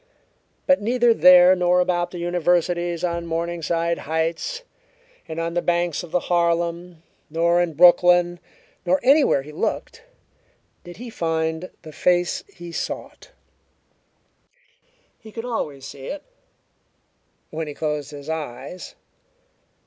But neither there nor about the Universities on Morningside Heights and on the banks of the Harlem, nor in Brooklyn, nor anywhere he looked, did he find the face he sought. He could always see it when he closed his eyes.